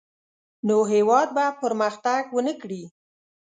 نو هېواد به پرمختګ ونه کړي.